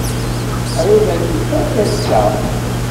Qrib ad nfak ass-a.